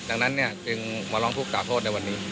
ดังนั้นจึงมาร้องทุกข่าโทษในวันนี้